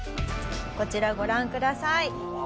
こちらご覧ください。